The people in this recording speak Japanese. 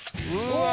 うわ！